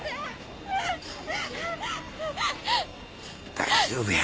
大丈夫や。